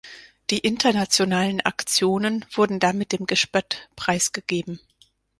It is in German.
Die internationalen Aktionen wurden damit dem Gespött preisgegeben.